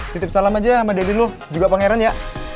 titip salam aja sama daddy lo juga pangeran ya